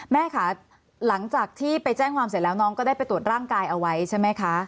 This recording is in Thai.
แม่ค่ะหลังจากที่ไปแจ้งความเสร็จแล้วน้องก็ได้ไปตรวจร่างกายเอาไว้ใช่ไหมคะ